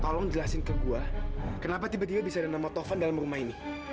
tolong jelasin ke gua kenapa tiba tiba bisa ada nama tovan dalam rumah ini